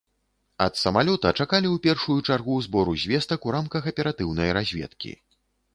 Ад самалёта чакалі ў першую чаргу збору звестак у рамках аператыўнай разведкі.